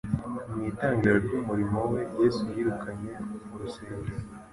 Mu itangiriro ry’umurimo we Yesu yirukanye mu rusengero